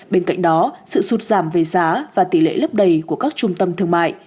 bên cạnh đó sự sụt giảm về giá và tỷ lệ lấp đầy của các trung tâm thương mại